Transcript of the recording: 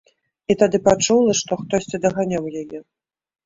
І тады пачула, што хтосьці даганяў яе.